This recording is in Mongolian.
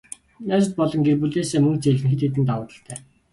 Найзууд болон гэр бүлээсээ мөнгө зээлэх нь хэд хэдэн давуу талуудтай.